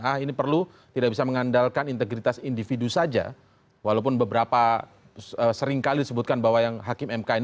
ah ini perlu tidak bisa mengandalkan integritas individu saja walaupun beberapa seringkali disebutkan bahwa yang hakim mk ini